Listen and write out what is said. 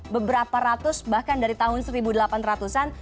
beberapa ratus bahkan dari tahun seribu delapan ratus an